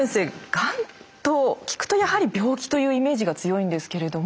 がんと聞くとやはり病気というイメージが強いんですけれども。